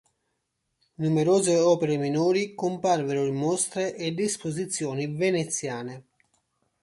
Numerose opere minori comparvero in mostre ed esposizioni veneziane.